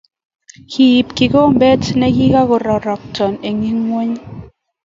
Kiip kikombet ne kikakororokto ing'weny.